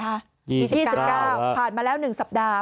ที่๒๙ผ่านมาแล้ว๑สัปดาห์